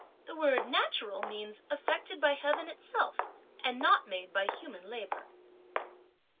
The word 'natural' means effected by heaven itself and not made by human labour."